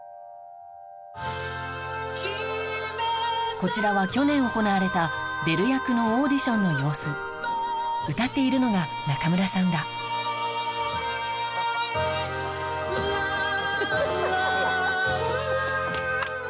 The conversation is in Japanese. こちらは去年行われたベル役のオーディションの様子歌っているのが中村さんだ・ハハハハ・